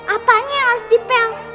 apanya yang harus dipel